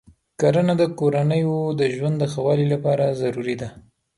کرنه د کورنیو د ژوند د ښه والي لپاره ضروري ده.